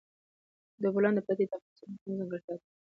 د بولان پټي د افغانستان د اقلیم ځانګړتیا ده.